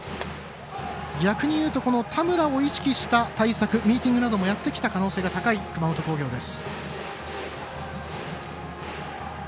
逆に言うと田村を意識した対策ミーティングなどもやってきた可能性が高い熊本工業です。